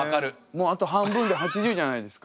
もうあと半分で８０じゃないですか。